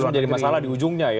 sehingga jadi masalah di ujungnya ya